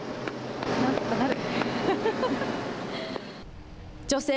なんとかなる。